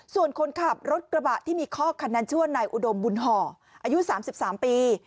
ส่วนคนขับรถกระบะที่มีคอกคันนั้นชื่อว่านายอุดมบุญห่ออายุ๓๓ปี